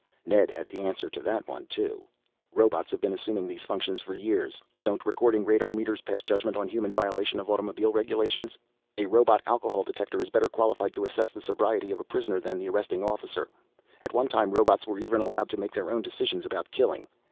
Ned had the answer to that one too. "Robots have been assuming these functions for years. Don't recording radar meters pass judgment on human violation of automobile regulations? A robot alcohol detector is better qualified to assess the sobriety of a prisoner than the arresting officer. At one time robots were even allowed to make their own decisions about killing.